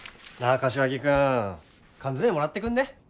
柏木君缶詰もらってくんね？